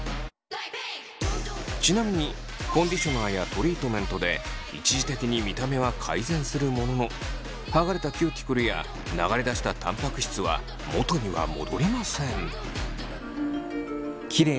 ちなみにコンディショナーやトリートメントで一時的に見た目は改善するものの剥がれたキューティクルや流れ出したたんぱく質は元には戻りません。